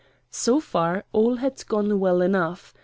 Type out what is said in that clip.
So far all had gone well enough.